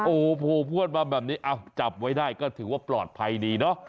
โอ้โหโผล่พวดมาแบบนี้จับไว้ได้ก็ถือว่าปลอดภัยดีเนาะ